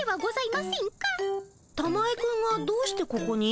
たまえくんがどうしてここに？